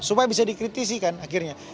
supaya bisa dikritisikan akhirnya